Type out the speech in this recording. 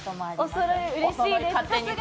おそろい、うれしいです